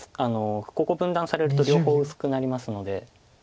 ここ分断されると両方薄くなりますので。